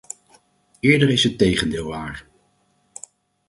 Eerder is het tegendeel waar.